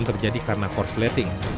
terjadi karena korsleting